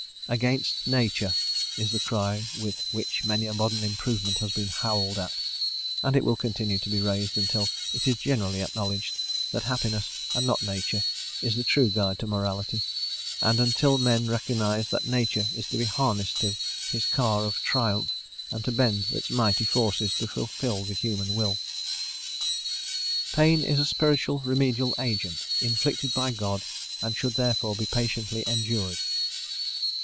"Against nature," is the cry with which many a modern improvement has been howled at; and it will continue to be raised, until it is generally acknowledged that happiness, and not nature, is the true guide to morality, and until men recognises that nature is to be harnessed to his car of triumph, and to bend its mighty forces to fulfil the human will. _Pain is a spiritual remedial agent, inflicted by God, and should therefore be patiently endured.